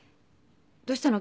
どうしたの？